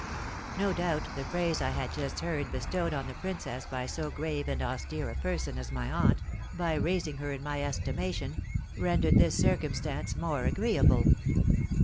No doubt the praise I had just heard bestowed on the princess by so grave and austere a person as my aunt, by raising her in my estimation, rendered this circumstance more agreeable.